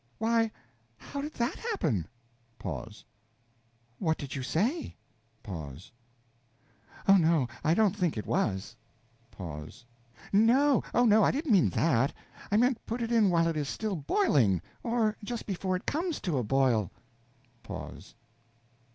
Why, how did _that _happen? Pause. What did you say? Pause. Oh no, I don't think it was. Pause. _ No_! Oh no, I didn't mean that. I meant, put it in while it is still boiling or just before it _comes _to a boil. Pause.